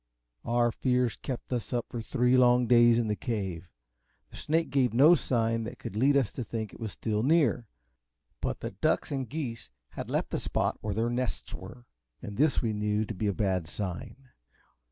Our fears kept us for three long days in the Cave. The snake gave no sign that could lead us to think it was still near, but the ducks and geese had left the spot where their nests were, and this we knew to be a bad sign.